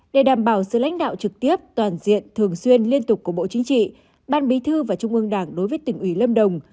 để đảm bảo sự lãnh đạo trực tiếp toàn diện thường xuyên liên tục của bộ chính trị ban bí thư và trung ương đảng đối với tỉnh ủy lâm đồng